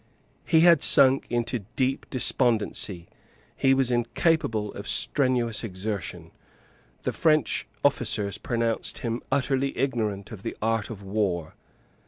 He had sunk into deep despondency. He was incapable of strenuous exertion. The French officers pronounced him utterly ignorant of the art of war.